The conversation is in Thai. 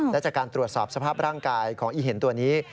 และจากการตรวจสอบสภาพร่างกายของอีเห็นตัวนี้